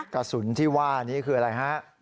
กระสุนที่ว่านี้คืออะไรฮะ